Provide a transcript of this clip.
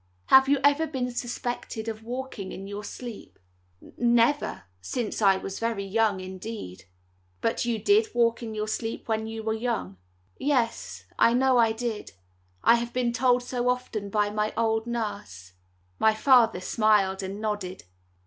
Have you ever been suspected of walking in your sleep?" "Never, since I was very young indeed." "But you did walk in your sleep when you were young?" "Yes; I know I did. I have been told so often by my old nurse." My father smiled and nodded.